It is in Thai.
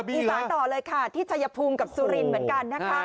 อีสานต่อเลยค่ะที่ชายภูมิกับสุรินทร์เหมือนกันนะคะ